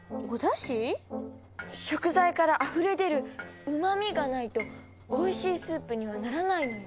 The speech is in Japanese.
食材からあふれ出る「うまみ」がないとおいしいスープにはならないのよ。